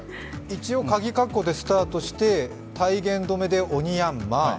一応、カギ括弧でスタートして、体言止めでオニヤンマ。